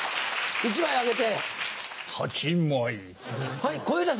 １枚あげて。